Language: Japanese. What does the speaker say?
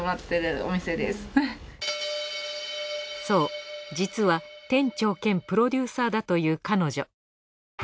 そう実は店長兼プロデューサーだという彼女。